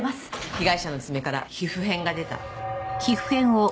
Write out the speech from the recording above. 被害者の爪から皮膚片が出た。